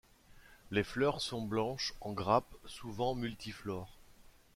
Les fleurs sont blanches en grappes souvent multiflores.